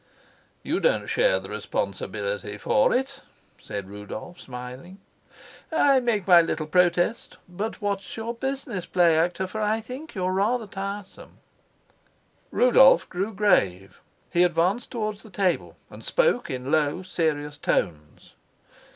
"You don't share the responsibility for it," said Rudolf, smiling. "I make my little protest. But what's your business, play actor? For I think you're rather tiresome." Rudolf grew grave. He advanced towards the table, and spoke in low, serious tones.